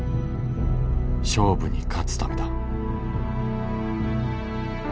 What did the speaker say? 勝負に勝つためだ。